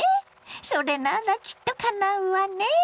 それならきっとかなうわね。